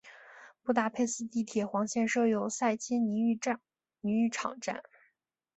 布达佩斯地铁黄线设有塞切尼浴场站。